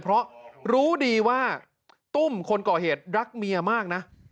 เพราะรู้ดีว่าตุ้มคนก่อเหตุรักเมียมากนะ